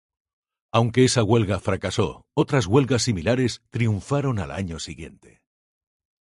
Aunque esa huelga fracasó, otras huelgas similares triunfaron al año siguiente.